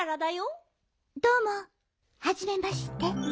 どうもはじめまして。